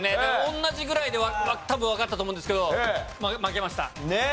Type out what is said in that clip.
同じぐらいで多分わかったと思うんですけど負けました。